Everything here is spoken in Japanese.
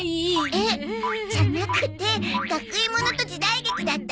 えっじゃなくて学園ものと時代劇だったら。